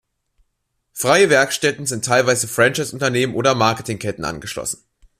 Freie Werkstätten sind teilweise Franchise-Unternehmen oder Marketing-Ketten angeschlossen.